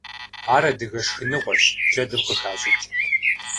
Ар адыгэ шхыныгъуэщ, джэдым къыхащӏыкӏ.